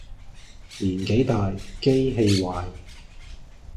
年紀大機器壞